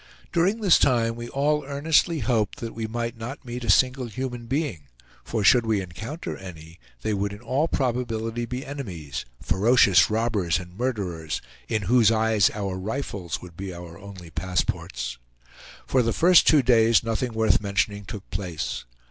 During this time we all earnestly hoped that we might not meet a single human being, for should we encounter any, they would in all probability be enemies, ferocious robbers and murderers, in whose eyes our rifles would be our only passports. For the first two days nothing worth mentioning took place.